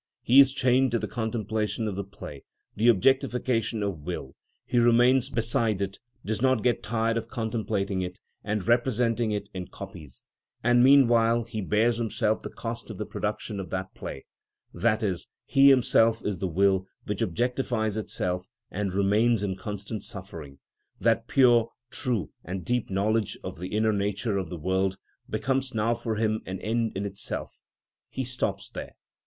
He is chained to the contemplation of the play, the objectification of will; he remains beside it, does not get tired of contemplating it and representing it in copies; and meanwhile he bears himself the cost of the production of that play, i.e., he himself is the will which objectifies itself, and remains in constant suffering. That pure, true, and deep knowledge of the inner nature of the world becomes now for him an end in itself: he stops there.